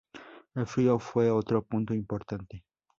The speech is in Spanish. El frío fue otro punto importante.